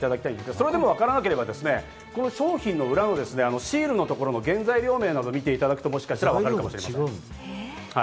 それでも分からなければ、商品の裏のシールのところの原材料名などを見ていただくと分かるかもしれません。